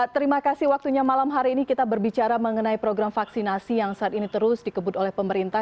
terima kasih waktunya malam hari ini kita berbicara mengenai program vaksinasi yang saat ini terus dikebut oleh pemerintah